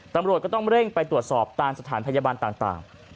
ตำรวจก็ต้องเร่งไปตรวจสอบตามสถานพยาบาลต่าง